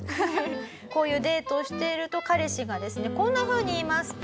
こういうデートをしていると彼氏がですねこんなふうに言います。